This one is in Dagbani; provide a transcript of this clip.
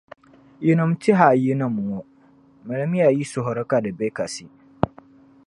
yinim’ tɛhaayiyinim’ ŋɔ, malimiya yi suhuri ka di be kasi.